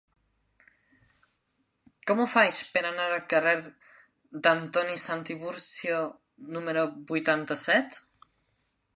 Com ho faig per anar al carrer d'Antoni Santiburcio número vuitanta-set?